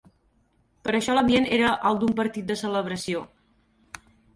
Per això l'ambient era el d'un partit de celebració.